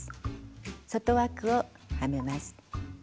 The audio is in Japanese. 外枠をはめます。